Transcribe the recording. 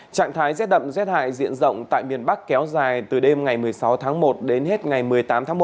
trạng thái rét đậm rét hại diện rộng tại miền bắc kéo dài từ đêm ngày một mươi sáu tháng một đến hết ngày một mươi tám tháng một